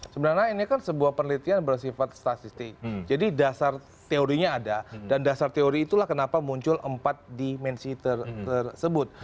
sebenarnya ini kan sebuah penelitian bersifat statistik jadi dasar teorinya ada dan dasar teori itulah kenapa muncul empat dimensi tersebut